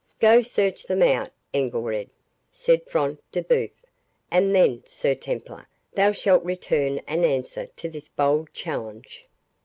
"Go, search them out, Engelred," said Front de Bœuf; "and then, Sir Templar, thou shalt return an answer to this bold challenge."